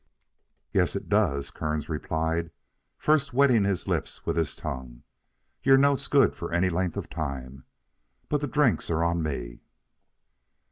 "Yes, it does," Kearns replied, first wetting his lips with his tongue. "Your note's good for any length of time. But the drinks are on me."